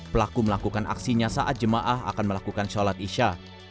pelaku melakukan aksinya saat jemaah akan melakukan sholat isya